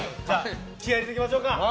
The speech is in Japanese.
気合入れていきましょうか。